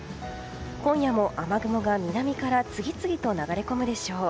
今夜も雨雲が南から次々と流れ込むでしょう。